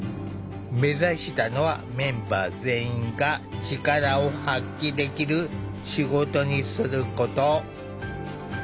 目指したのはメンバー全員が力を発揮できる仕事にすること。